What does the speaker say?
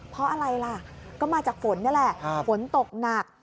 เพราะอะไรล่ะก็มาจากฝนนี่แหละฝนตกหนัก